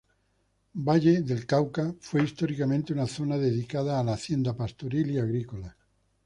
Valle del Cauca fue históricamente una zona dedicada a la hacienda pastoril y agrícola.